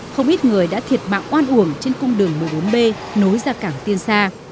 không ít người đã thiệt mạng oan uổng trên cung đường một mươi bốn b nối ra cảng tiên sa